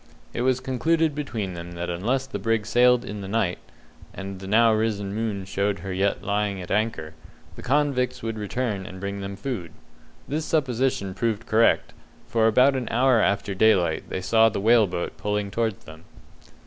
It was concluded between them that unless the brig sailed in the night and the now risen moon showed her yet lying at anchor the convicts would return and bring them food. This supposition proved correct, for about an hour after daylight they saw the whale boat pulling towards them.